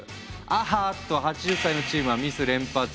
あっと８０歳のチームはミス連発！